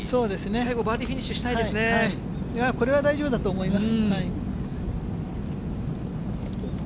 最後バーディーフィニッシュしたこれは大丈夫だと思います。